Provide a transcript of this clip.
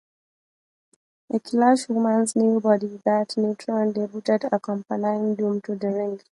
At Clash, Woman's new bodyguard Nitron debuted accompanying Doom to the ring.